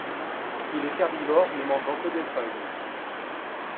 Il est herbivore, ne mangeant que des feuilles.